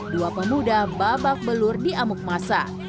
dua pemuda babak belur di amuk masa